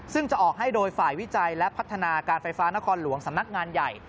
ซึ่งจะออกให้โดยฝ่ายวิจัยและพัฒนาการไฟฟ้านครหลวงสำนักงานใหญ่